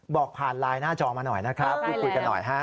บอกผ่านไลน์หน้าจอมาหน่อยนะครับพูดคุยกันหน่อยฮะ